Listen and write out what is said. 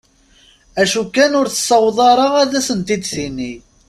D acu kan ur tessaweḍ ara ad asent-id-tini.